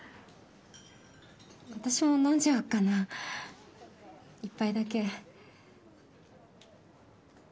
私も飲んじゃおっかな１杯だけ。